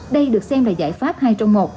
đây được xem là giải pháp hai trong một